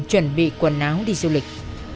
chuẩn bị quần áo đi du lịch